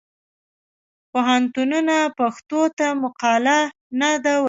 پوهنتونونه پښتو ته مقاله نه ده ورکړې.